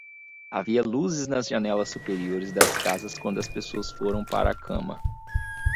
Havia luzes nas janelas superiores das casas quando as pessoas foram para a cama.